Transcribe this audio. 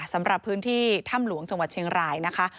สำหรับพื้นที่ถ้ำหลวงจังหวัดเชียงรายนะคะ